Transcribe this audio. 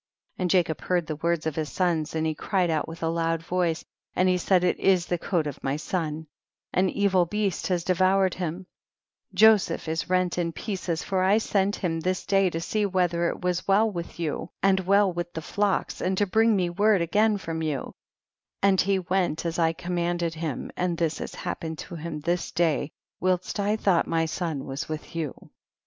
20. And Jacob heard the words of his sons and he cried out with a loud voice, and he said it is the coat of my son, an evil beast has devoured him ; Joseph is rent in pieces, for I sent him this day to see whether it was well with you and well with the flocks and to bring me word again from you, and he went as I commanded him, and this has happened to him this day whilst I thought my son was with you, 21.